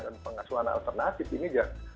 dan pengasuhan alternatif ini